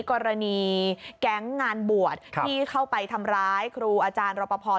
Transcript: กรณีแก๊งงานบวชที่เข้าไปทำร้ายครูอาจารย์รปภ